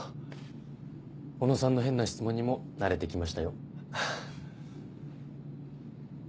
小野さんの変な質問にも慣れて来ましたよ。